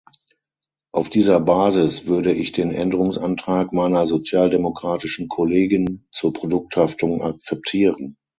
Auf dieser Basis würde ich den Änderungsantrag meiner sozialdemokratischen Kollegin zur Produkthaftung akzeptieren.